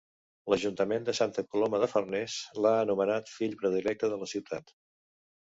L'Ajuntament de Santa Coloma de Farners l'ha anomenat fill predilecte de la ciutat.